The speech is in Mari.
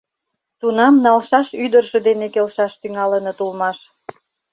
Тунам налшаш ӱдыржӧ дене келшаш тӱҥалыныт улмаш.